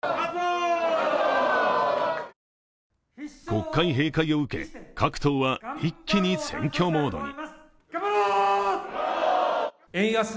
国会閉会を受け、各党は一気に選挙モードに。